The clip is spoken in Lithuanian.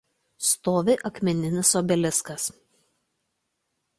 Stovi akmeninis obeliskas.